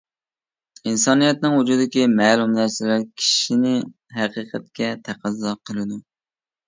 ئىنسانىيەتنىڭ ۋۇجۇدىدىكى مەلۇم نەرسىلەر كىشىنى ھەقىقەتكە تەقەززا قىلىدۇ.